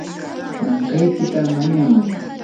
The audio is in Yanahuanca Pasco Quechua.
mankaykita mañamay.